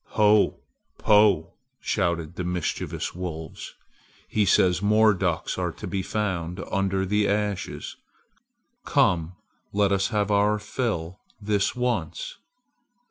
"Ho! Po!" shouted the mischievous wolves; "he says more ducks are to be found under the ashes! Come! Let us have our fill this once!"